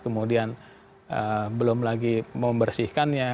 kemudian belum lagi membersihkannya